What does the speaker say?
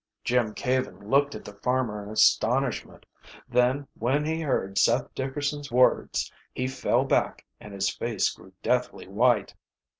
Jim Caven looked at the farmer in astonishment. Then when he heard Seth Dickerson's words he fell back and his face grew deathly white.